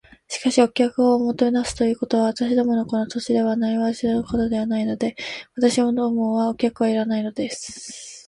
「しかし、お客をもてなすということは、私どものこの土地では慣わしではないので。私どもはお客はいらないのです」